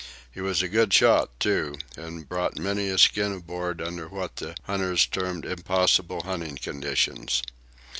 He was a good shot, too, and brought many a skin aboard under what the hunters termed impossible hunting conditions.